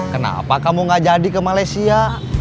kenapa kamu gak jadi ke malaysia